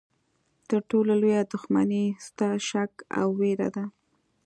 تر ټولو لویه دښمني ستا شک او ویره ده.